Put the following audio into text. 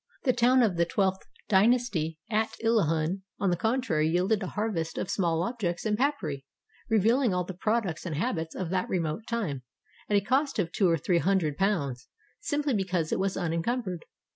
The town of the Twelfth Dynasty at Illahun, on the contrary, yielded a harvest of small objects and papyri, revealing all the products and habits of that remote time, at a cost of two or three hun dred pounds, simply because it was imencumbered.